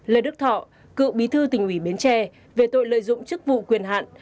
lê đức thọ cựu bí thư tình ủy biến tre về tội lợi dụng chức vụ quyền hạn